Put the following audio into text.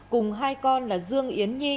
cùng hai con là dương yến nhi